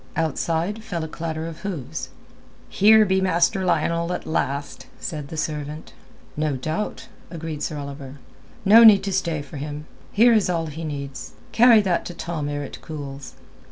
Outside fell a clatter of hooves. "Here be Master Lionel at last," said the servant. "No doubt," agreed Sir Oliver. "No need to stay for him. Here is all he needs. Carry that to Tom ere it cools."